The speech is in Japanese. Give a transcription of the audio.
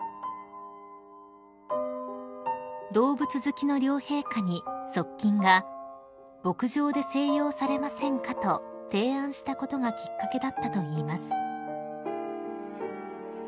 ［動物好きの両陛下に側近が「牧場で静養されませんか」と提案したことがきっかけだったといいます］